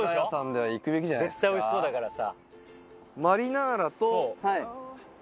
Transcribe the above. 絶対おいしそうだからさ。